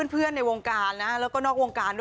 เพื่อนในวงการคอแล้วก็นอกวงการคอ